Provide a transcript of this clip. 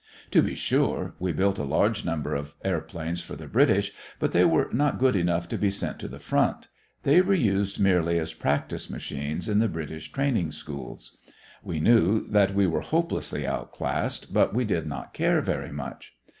To be sure, we built a large number of airplanes for the British, but they were not good enough to be sent to the front; they were used merely as practice planes in the British training schools. We knew that we were hopelessly outclassed, but we did not care very much.